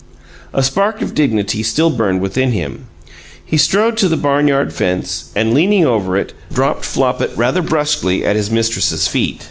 A spark of dignity still burned within him. He strode to the barn yard fence, and, leaning over it, dropped Flopit rather brusquely at his mistress's feet.